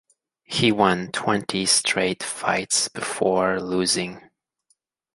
He won twenty straight fights before losing.